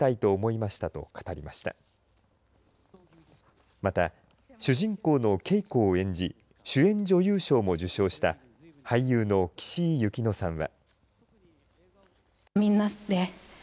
また、主人公のケイコを演じ主演女優賞も受賞した俳優の岸井ゆきのさんは。